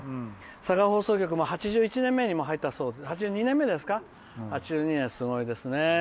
佐賀放送局も８２年目に入ったそうですごいですね。